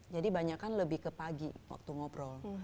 jadi banyak kan lebih ke pagi waktu ngobrol